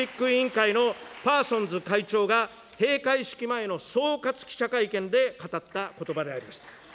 国際パラリンピック委員会のパーソンズ会長が閉会式前の総括記者会見で語ったことばでありました。